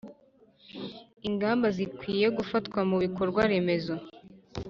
ingamba zikwiye gufatwa mu bikorwaremezo